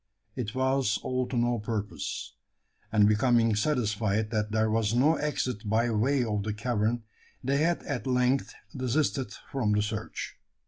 It was all to no purpose; and becoming satisfied that there was no exit by way of the cavern, they had at length desisted from the search.